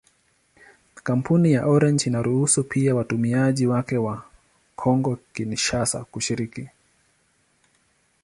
Kampuni ya Orange inaruhusu pia watumiaji wake wa Kongo-Kinshasa kushiriki.